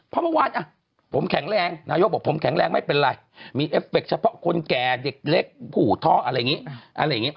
พระมะวันผมแข็งแรงนายกบอกผมแข็งแรงไม่เป็นไรมีเอฟเฟคเฉพาะคนแก่เด็กเล็กผูท้ออะไรอย่างนี้